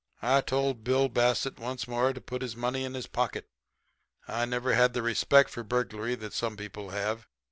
"I told Bill Bassett once more to put his money in his pocket. I never had the respect for burglary that some people have.